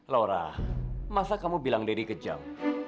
laura masa kamu bilang daddy kejam